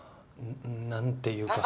何ていうか。